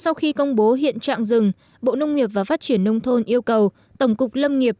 sau khi công bố hiện trạng rừng bộ nông nghiệp và phát triển nông thôn yêu cầu tổng cục lâm nghiệp